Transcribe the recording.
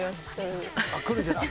くるんじゃない？